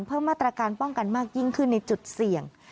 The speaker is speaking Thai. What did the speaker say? เพิ่มมาตรการป้องกันมากยิ่งขึ้นในจุดเสี่ยง